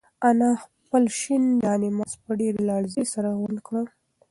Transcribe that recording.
انا خپل شین جاینماز په ډېرې لړزې سره غونډ کړ.